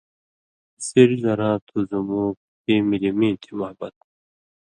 سِریۡ زراں تُھو زُمُوک تی ملیۡ میں تھی محبت